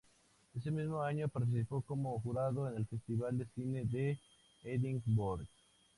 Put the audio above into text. Ese mismo año participó como jurado en el festival de cine de Edinburgh.